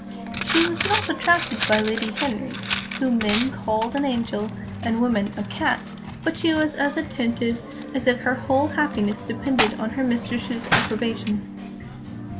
She was not attracted by Lady Henry, whom men called an angel, and women "a cat," but she was as attentive as if her whole happiness depended on her mistress's approbation.